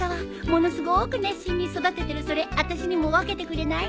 ものすごく熱心に育ててるそれあたしにも分けてくれない？